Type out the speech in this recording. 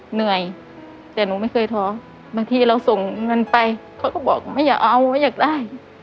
เหนื่อยแต่หนูไม่เคยท้อบางทีเราส่งเงินไปเขาก็บอกไม่อยากเอาไม่อยากได้